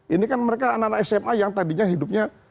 ini kan mereka anak anak sma yang tadinya hidupnya